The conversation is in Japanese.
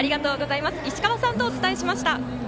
いしかわさんとお伝えしました。